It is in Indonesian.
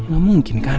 gak mungkin kan